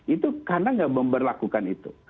itu karena nggak memperlakukan itu